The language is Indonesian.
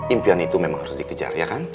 impian itu memang harus dikejar ya kan